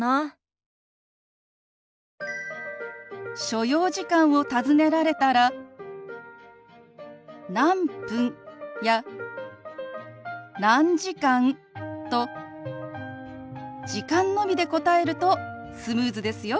所要時間を尋ねられたら「何分」や「何時間」と時間のみで答えるとスムーズですよ。